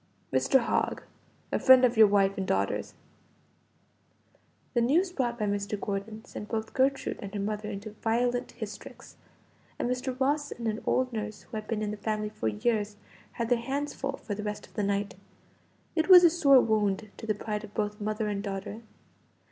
"Mr. Hogg, a friend of your wife and daughters." The news brought by Mr. Gordon sent both Gertrude and her mother into violent hysterics, and Mr. Ross and an old nurse who had been in the family for years, had their hands full for the rest of the night. It was a sore wound to the pride of both mother and daughter.